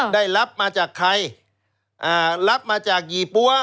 ได้รับมาจากใครรับมาจากยี่ปั๊ว